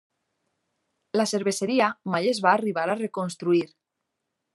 La cerveseria mai es va arribar a reconstruir.